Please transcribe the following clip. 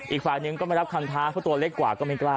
อีกฝ่ายหนึ่งก็ไม่รับคำท้าเพราะตัวเล็กกว่าก็ไม่กล้า